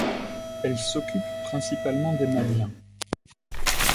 Elle s'occupe principalement des Maliens.